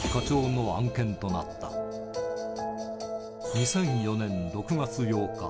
２００４年６月８日